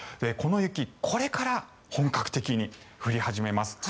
この雪これから本格的に降り始めます。